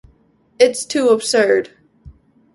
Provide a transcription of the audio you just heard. It's too absurd!